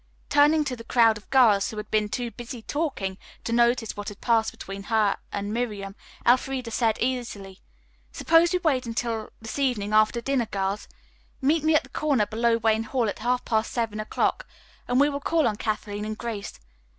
Turning to the crowd of girls, who had been too busy talking to notice what had passed between her and Miriam, Elfreda said easily: "Suppose we wait until this evening after dinner, girls. Meet me at the corner below Wayne Hall at half past seven o'clock and we will call on Kathleen and Grace.